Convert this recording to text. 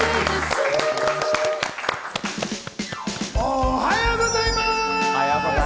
おはようございます！